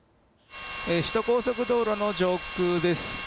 首都高速道路の上空です。